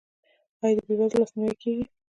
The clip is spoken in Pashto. آیا د بې وزلو لاسنیوی کیږي؟